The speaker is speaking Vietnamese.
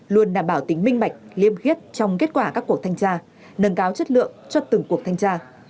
luôn đảm bảo tính minh bạch liêm khiết trong kết quả các cuộc thanh tra nâng cao chất lượng cho từng cuộc thanh tra